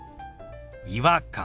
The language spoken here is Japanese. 「違和感」。